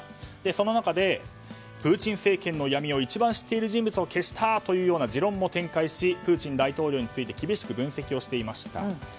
その中で、プーチン政権の闇を一番知っている人物を消したというような持論も展開しプーチン大統領について厳しく分析をしていました。